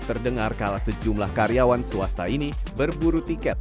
terdengar kala sejumlah karyawan swasta ini berburu tiket